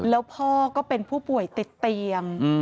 แล้วพ่อก็เป็นผู้ป่วยติดเตียง